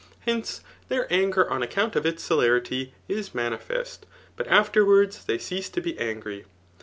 Hence their anger, on account <^ its celerity, is manifest; but afterwards they cease to be angry.